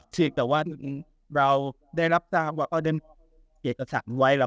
แต่ว่าเราได้ลับตัวเข้าในอีกกระสามไว้